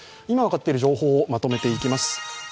今分かっている情報をまとめていきます。